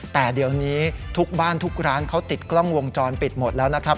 แต่เดี๋ยวนี้ทุกบ้านทุกร้านเขาติดกล้องวงจรปิดหมดแล้วนะครับ